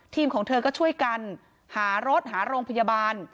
ของเธอก็ช่วยกันหารถหาโรงพยาบาล